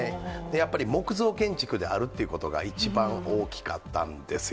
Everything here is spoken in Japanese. やっぱり木造建築であるということが、一番大きかったんですよ。